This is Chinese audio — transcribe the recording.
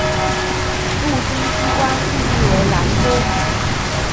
陆军机关驻地为兰州。